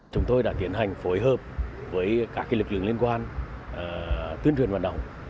chúng tôi đã tiến hành phối hợp với các lực lượng liên quan tuyên truyền vận động